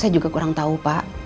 saya juga kurang tahu pak